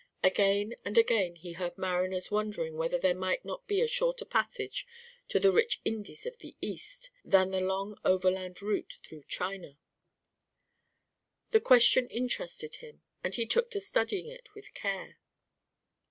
Again and again he heard mariners wondering whether there might not be a shorter passage to the rich Indies of the East than the long overland route through China. The question interested him, and he took to studying it with care.